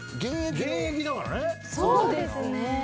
そうですね。